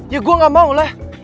ya gue gak mau lah